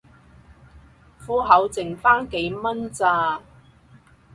戶口剩番幾蚊咋